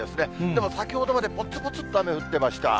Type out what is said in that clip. でも先ほどまでぽつぽつっと雨降ってました。